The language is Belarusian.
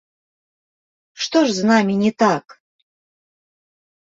Што ж з намі не так?